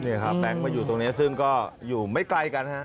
นี่ครับแบงค์มาอยู่ตรงนี้ซึ่งก็อยู่ไม่ไกลกันฮะ